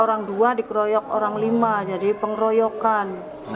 orang dua dikeroyok orang lima jadi pengeroyokan